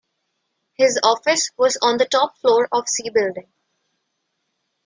His office was on the top floor of C building.